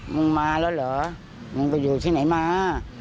มึงมาแล้วเหรอมึงไปอยู่ที่ไหนมา